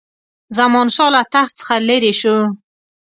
زمانشاه له تخت څخه لیري شو.